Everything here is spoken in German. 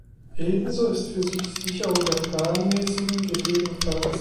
Ebenso ist sie für die Sicherung der planmäßigen, ggf.